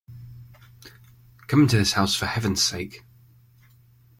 Come into this house for heaven's sake!